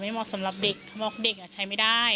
เหมาะสำหรับเด็กเขาบอกเด็กใช้ไม่ได้